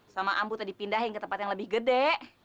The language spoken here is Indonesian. sama ampuh tadi pindahin ke tempat yang lebih gede